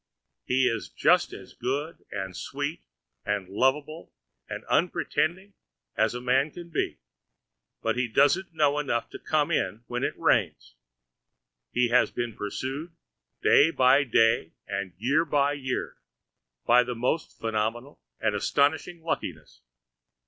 He is just as good and sweet and lovable and unpretending as a man can be, but he doesn't know enough to come in when it rains. He has been pursued, day by day and year by year, by a most phenomenal and astonishing luckiness.